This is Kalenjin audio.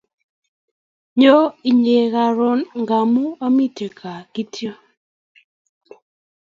nyoon inye karun ngamun amiten kaa kityok.